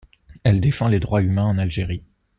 Elle défend les droits humains en Algérie.